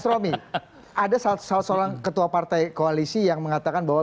mas romi ada salah seorang ketua partai koalisi yang mengatakan bahwa